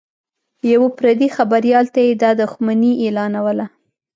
یوه پردي خبریال ته یې دا دښمني اعلانوله